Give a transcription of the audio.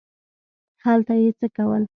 دلته یې څه کول ؟